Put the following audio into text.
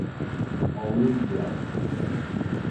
Olímpia